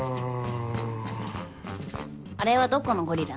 あれはどこのゴリラ？